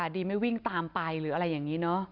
ดีไม่วิ่งตามไปหรืออะไรอย่างนี้เนอะ